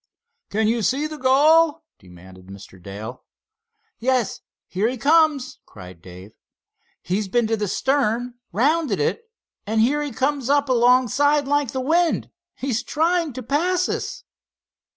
"Can you see the gull?" demanded Mr. Dale. "Yes, here he comes!" cried Dave. "He's been to the stern, rounded it, and here he comes up alongside like the wind. He's trying to pass us!"